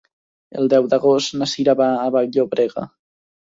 El deu d'agost na Cira va a Vall-llobrega.